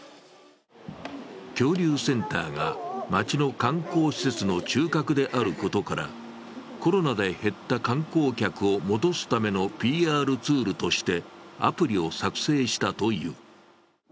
恐竜センターが町の観光施設の中核であることからコロナで減った観光客を戻すためのＰＲツールとしてアプリを作成したという。